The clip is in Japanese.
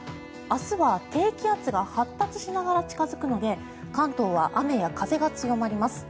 明日は低気圧が発達しながら近付くので関東は雨や風が強まります。